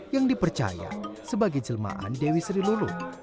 yang dipercaya sebagai jelmaan dewi sri lulung